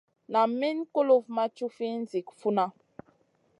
Nam Min kulufn ma cufina zi funa.